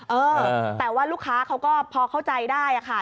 เออแต่ว่าลูกค้าเขาก็พอเข้าใจได้ค่ะ